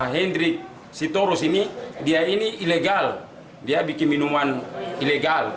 hendrik sitorus ini dia ini ilegal dia bikin minuman ilegal